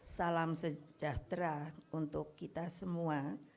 salam sejahtera untuk kita semua